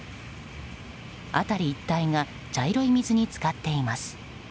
辺り一帯が茶色い水に浸かっています。